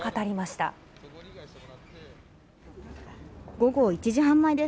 午後１時半前です。